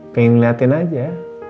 pengen liatin aja